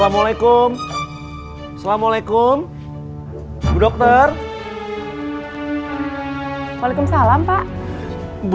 maksudnya jemput aku